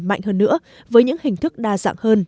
mạnh hơn nữa với những hình thức đa dạng hơn